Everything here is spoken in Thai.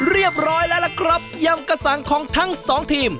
เรียบร้อยแล้วล่ะครับยำกระสังของทั้งสองทีม